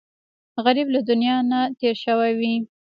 غریب له دنیا نه تېر شوی وي